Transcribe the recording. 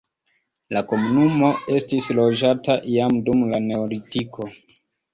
La komunumo estis loĝata jam dum la neolitiko.